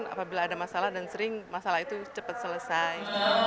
apabila ada masalah dan sering masalah itu cepat selesai